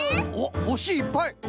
おっほしいっぱい！